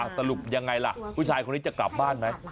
สรุปยังไงล่ะผู้ชายคนนี้จะกลับบ้านไหม